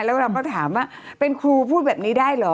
แล้วเราก็ถามว่าเป็นครูพูดแบบนี้ได้เหรอ